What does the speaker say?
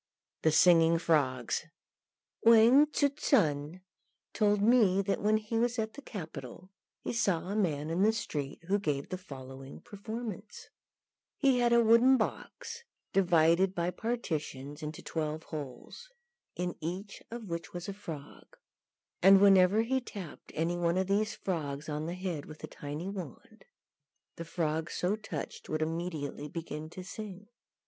THE SINGING FROGS. Wang Tzŭ sun told me that when he was at the capital he saw a man in the street who gave the following performance: He had a wooden box, divided by partitions into twelve holes, in each of which was a frog; and whenever he tapped any one of these frogs on the head with a tiny wand, the frog so touched would immediately begin to sing.